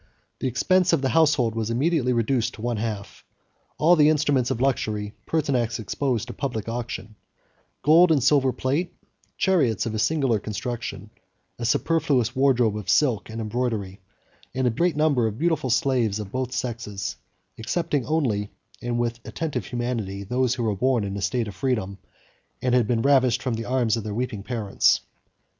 The expense of the household was immediately reduced to one half. All the instruments of luxury Pertinax exposed to public auction, 51 gold and silver plate, chariots of a singular construction, a superfluous wardrobe of silk and embroidery, and a great number of beautiful slaves of both sexes; excepting only, with attentive humanity, those who were born in a state of freedom, and had been ravished from the arms of their weeping parents.